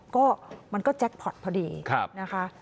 ก็มันก็แจ็คพอร์ตพอดีนะคะ